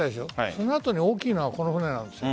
そのあとに大きいのがこの船なんです。